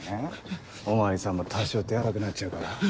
お巡りさんも多少手荒くなっちゃうから。